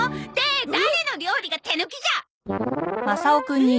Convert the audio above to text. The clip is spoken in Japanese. って誰の料理が手抜きじゃ！